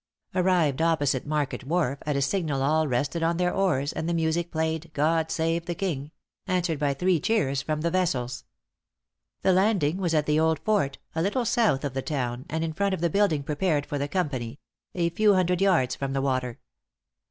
Arrived opposite Market wharf, at a signal all rested on their oars, and the music played "God save the king," answered by three cheers from the vessels. The landing was at the Old Fort, a little south of the town, and in front of the building prepared for the company a few hundred yards from the water.